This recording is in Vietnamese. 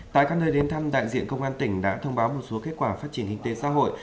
tại các nơi đến thăm đại diện công an tỉnh đã thông báo một số kết quả phát triển kinh tế xã hội